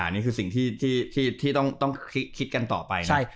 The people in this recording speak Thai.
นี่คือสิ่งที่ต้องคิดกันต่อไปนะ